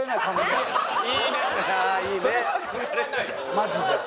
マジで。